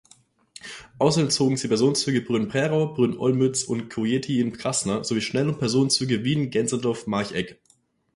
Außerdem zogen sie Personenzüge Brünn–Prerau, Brünn–Olmütz und Kojetein–Krasna sowie Schnell- und Personenzüge Wien–Gänserndorf–Marchegg.